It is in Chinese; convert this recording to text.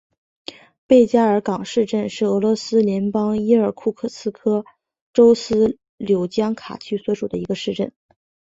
贝加尔港市镇是俄罗斯联邦伊尔库茨克州斯柳江卡区所属的一个市镇。